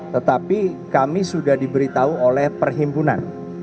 tetapi kami sudah diberitahu oleh perhimpunan